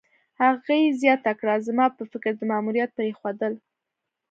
هغې زیاته کړه: "زما په فکر، د ماموریت پرېښودل